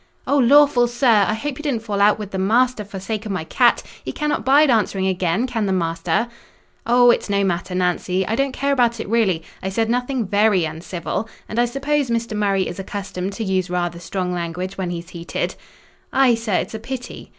"Oh, lawful sir! I hope you didn't fall out wi' th' maister for sake o' my cat! he cannot bide answering again—can th' maister." "Oh! it's no matter, Nancy: I don't care about it, really; I said nothing very uncivil; and I suppose Mr. Murray is accustomed to use rather strong language when he's heated." "Ay, sir: it's a pity."